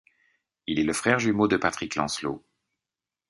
Il est le frère jumeau de Patrick Lancelot.